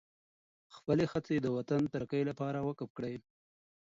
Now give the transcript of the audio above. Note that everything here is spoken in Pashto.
خپلې هڅې د وطن د ترقۍ لپاره وقف کړئ.